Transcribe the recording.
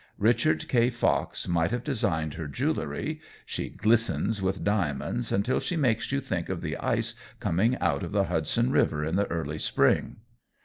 Richard K. Fox might have designed her jewelry; she glistens with diamonds until she makes you think of the ice coming out of the Hudson River in the early spring.